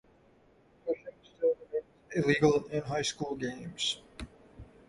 Pushing still remains illegal in high school games.